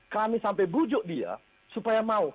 kami sampai bujuk dia supaya mau